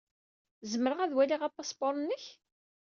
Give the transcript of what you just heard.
Zemreɣ ad waliɣ apaspuṛ-nnek?